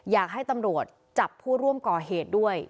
อยากให้ตำรวจจับผู้ร่วมก่อเหตุด้วย